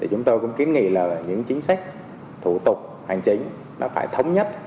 chúng tôi cũng kiến nghị là những chính sách thủ tục hành chính nó phải thống nhất